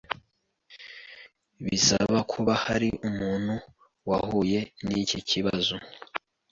Bisaba kuba hafi umuntu wahuye n’iki kibazo